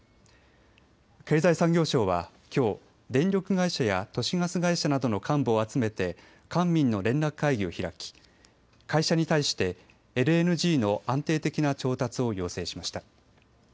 経済産業省はきょう、電力会社や都市ガス会社などの幹部を集めて官民の連絡会議を開き会社に対してＬＮＧの安定的な調達を要請しました。